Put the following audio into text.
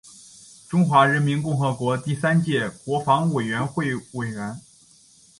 中华人民共和国第三届国防委员会委员。